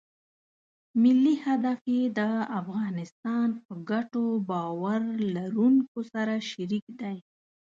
ملي هدف یې د افغانستان په ګټو باور لرونکو سره شریک دی.